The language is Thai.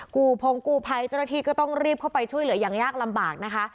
กูพงกูภัยเจ้าหน้าที่ก็ต้องรีบเข้าไปช่วยเหลืออย่างยากลำบากนะคะ